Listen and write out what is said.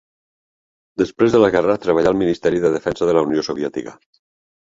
Després de la guerra treballà al Ministeri de Defensa de la Unió Soviètica.